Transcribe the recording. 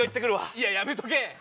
いややめとけ！